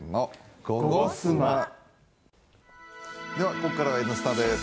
ここからは「Ｎスタ」です。